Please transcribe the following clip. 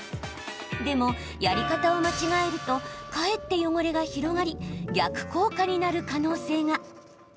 でも、やり方を間違えるとかえって汚れが広がり逆効果になる可能性が。